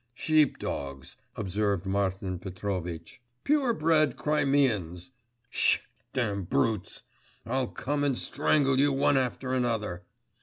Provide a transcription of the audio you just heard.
'Sheep dogs!' observed Martin Petrovitch. 'Pure bred Crimeans! Sh, damned brutes! I'll come and strangle you one after another!